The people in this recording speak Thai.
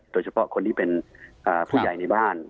โดยเฉพาะคนที่เป็นผู้ใหญ่ในบ้าน